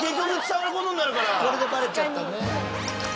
これでバレちゃったね。